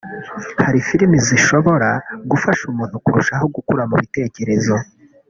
Hari film zishobora gufasha umuntu kurushaho gukura mu bitekerezo